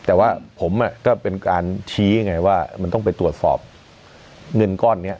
แต่ว่าผมก็เป็นการชี้ไงว่ามันต้องไปตรวจสอบเงินก้อนนี้